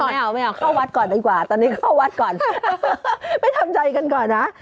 ไม่เอาไม่เอาเข้าวัดก่อนดีกว่าตอนนี้เข้าวัดก่อนไม่ทำใจกันก่อนนะ